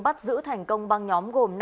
bắt giữ thành công băng nhóm gồm